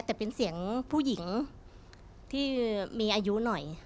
แต่เป็นเสียงผู้หญิงที่มีอายุหน่อย